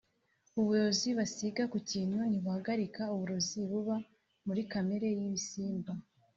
uburozi basiga ku kintu ntibuhagarike uburozi buba muri kamere y’ibisimba